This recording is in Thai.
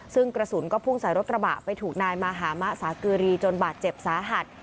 ซึ่งกระสุนก็พุ่งใส่รถกระบะไปถูกนายมหามะสากีรีจนบาดเจ็บสาหัส